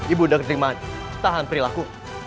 ibu sudah keterima tahan perilaku